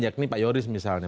seperti pak yoris misalnya